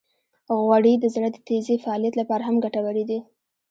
غوړې د زړه د تېزې فعالیت لپاره هم ګټورې دي.